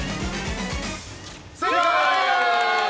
正解！